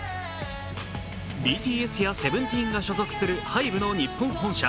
ＢＴＳやＳＥＶＥＮＴＥＥＮが所属するＨＹＢＥの日本本社、